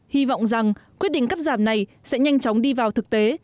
hy vọng rằng quyết định cắt giảm này sẽ nhanh chóng đi vào thực tế